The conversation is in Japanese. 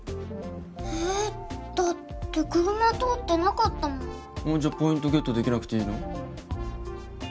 えっだって車通ってなかったもんじゃポイントゲットできなくていいの？